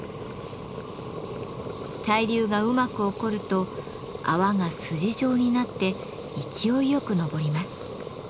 対流がうまく起こると泡が筋状になって勢いよく上ります。